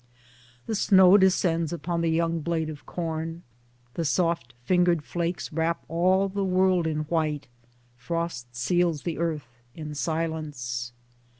The snow descends upon the young blade of corn ; the soft fingered flakes wrap all the world in white ; frost seals the earth in silence.